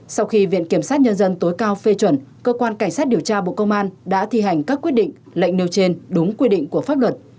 sau khi viện kiểm sát nhân dân tối cao phê chuẩn cơ quan cảnh sát điều tra bộ công an đã thi hành các quyết định lệnh nêu trên đúng quy định của pháp luật